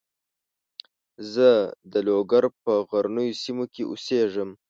زه د لوګر په غرنیو سیمو کې اوسېږم.